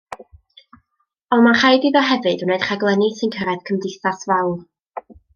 Ond mae'n rhaid iddo hefyd wneud rhaglenni sy'n cyrraedd cymdeithas fawr.